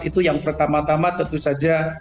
itu yang pertama tama tentu saja